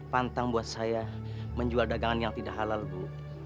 pantang buat saya menjual dagangan yang tidak halal bu